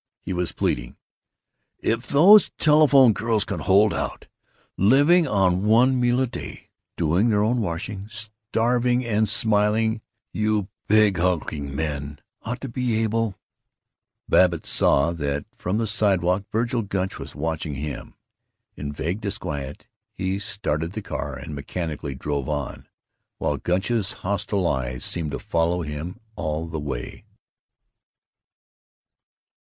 He was pleading: " if those telephone girls can hold out, living on one meal a day, doing their own washing, starving and smiling, you big hulking men ought to be able " Babbitt saw that from the sidewalk Vergil Gunch was watching him. In vague disquiet he started the car and mechanically drove on, while Gunch's hostile eyes seemed to follow him all the way.